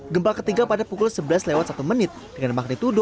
gempa ketiga pada pukul sebelas satu dengan magnitudo empat satu